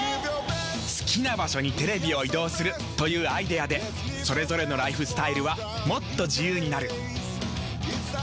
好きな場所にテレビを移動するというアイデアでそれぞれのライフスタイルはもっと自由になる。